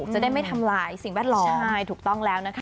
จะได้ไม่ทำลายสิ่งแวดล้อมใช่ถูกต้องแล้วนะคะ